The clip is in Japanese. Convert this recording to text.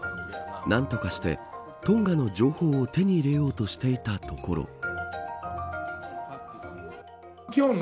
何とかして、トンガの情報を手に入れようとしていたところ。